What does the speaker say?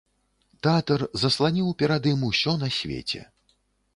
Тэатр засланіў перад ім усё на свеце.